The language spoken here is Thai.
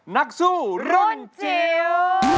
นักสู้รุ่นจิ๋ว